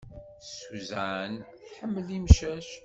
Susan, tḥemmel imcac.